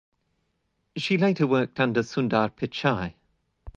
She later worked under Sundar Pichai.